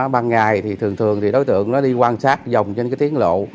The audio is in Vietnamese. bằng ngày thì thường thường đối tượng đi quan sát dòng trên tiếng lộ